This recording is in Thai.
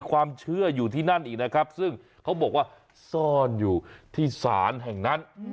ความเชื่ออยู่ที่นั่นอีกนะครับซึ่งเขาบอกว่าซ่อนอยู่ที่ศาลแห่งนั้น